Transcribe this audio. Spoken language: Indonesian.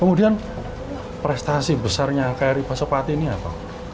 kemudian prestasi besarnya kri pasopati ini apa